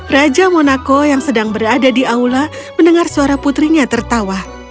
raja monaco yang sedang berada di aula mendengar suara putrinya tertawa